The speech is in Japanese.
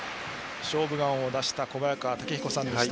「勝負眼」を出した小早川毅彦さんでした。